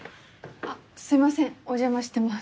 あっすいませんお邪魔してます。